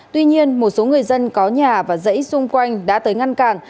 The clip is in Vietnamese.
tuy nhiên một số người dân có nhà và dãy xung quanh đã tới ngăn cản